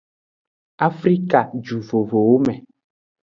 Afrikajuvovowome.